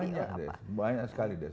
banyak deh banyak sekali deh